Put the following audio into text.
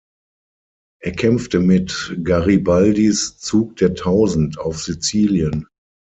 Er kämpfte mit Garibaldis „Zug der Tausend“ auf Sizilien.